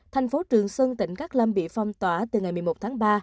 thành phố trường xuân tỉnh cát lâm bị phong tỏa từ ngày một mươi một tháng ba